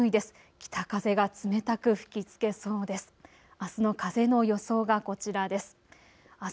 北風が冷たく吹きつけそうです。